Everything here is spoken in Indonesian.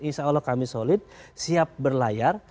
insya allah kami solid siap berlayar